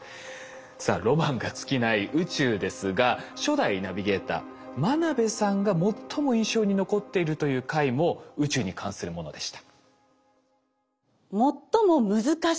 さあロマンが尽きない宇宙ですが初代ナビゲーター眞鍋さんが最も印象に残っているという回も宇宙に関するものでした。